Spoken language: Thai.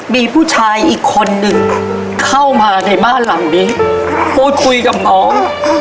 มีผู้ชายอีกคนนึงเข้ามาในบ้านหลังนี้พูดคุยกับน้อง